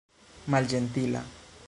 malĝentila